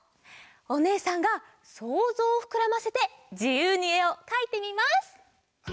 おねえさんがそうぞうをふくらませてじゆうにえをかいてみます。